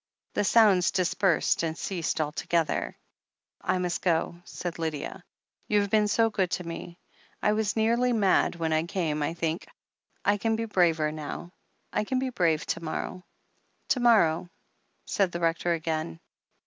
The sounds dispersed and ceased altogether. "I must go," said Lydia. "YouVe been so good to me — I was nearly mad when I came, I think. I can be braver now — I can be brave to morrow." "To morrow," said the Rector again.